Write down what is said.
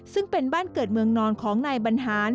ซึ่งเป็นบ้านเกิดเมืองนอนของนายบรรหาร